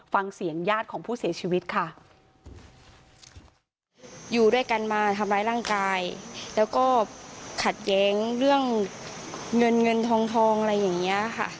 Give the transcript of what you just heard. ฟังเสียงญาติของผู้เสียชีวิตค่ะอยู่ด้วยกันมาทำร้ายร่างกายแล้วก็ขัดแย้งเรื่องเงินเงินทองทองอะไรอย่างเงี้ยค่ะ